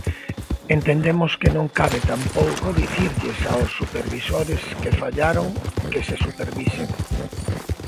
Entendemos que non cabe tampouco dicirlles aos supervisores que fallaron que se supervisen.